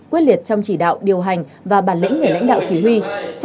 quyết liệt trong chỉ đạo điều hành